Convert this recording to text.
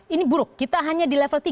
ini buruk kita hanya di level tiga